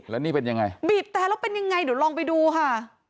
แล้วนี่เป็นยังไงบีบแต่แล้วเป็นยังไงเดี๋ยวลองไปดูค่ะ